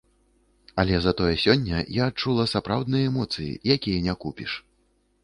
Але затое сёння я адчула сапраўдныя эмоцыі, якія не купіш.